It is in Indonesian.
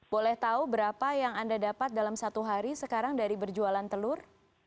boleh tahu berapa yang anda dapat dalam satu hari sekarang dari berjualan telur